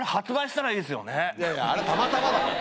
いやいやあれたまたまだから。